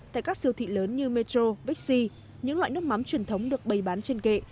tại các siêu thị lớn như metro bixi những loại nước mắm truyền thống được bày bán trên kệ